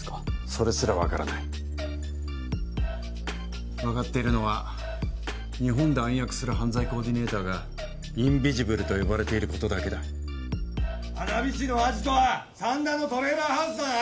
それすら分からない分かっているのは日本で暗躍する犯罪コーディネーターがインビジブルと呼ばれていることだけだ花火師のアジトは三田のトレーラーハウスだな？